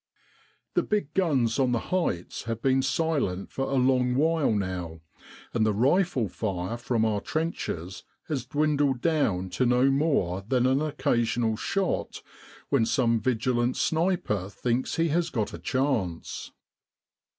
The big guns on the heights have been silent a long while now, and the rifle fire from our trenches has dwindled down to no more than an occasional shot when some vigilant sniper thinks he has got a chance.